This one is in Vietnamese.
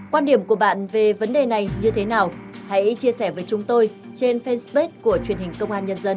quan điểm của bạn về vấn đề này như thế nào hãy chia sẻ với chúng tôi trên fanpage của truyền hình công an nhân dân